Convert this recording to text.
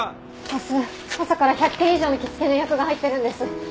明日朝から１００件以上の着付けの予約が入ってるんです。